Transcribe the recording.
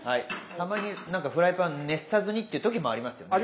たまに何かフライパン熱さずにっていう時もありますよね。